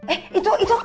eh itu itu